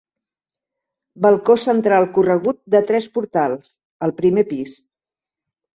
Balcó central corregut de tres portals, al primer pis.